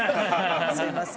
すみません。